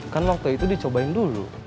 kan waktu itu dicobain dulu